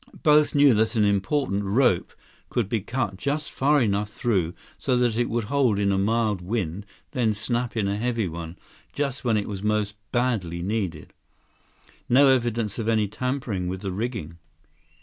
Both knew that an important rope could be cut just far enough through so that it would hold in a mild wind, then snap in a heavy one, just when it was most badly needed. No evidence of any tampering with the rigging.